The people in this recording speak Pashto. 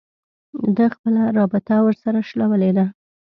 ده خپله رابطه ورسره شلولې ده